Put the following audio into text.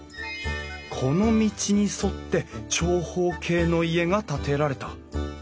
この道に沿って長方形の家が建てられた。